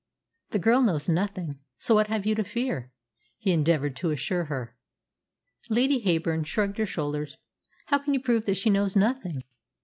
"The girl knows nothing. So what have you to fear?" he endeavoured to assure her. Lady Heyburn shrugged her shoulders. "How can you prove that she knows nothing?"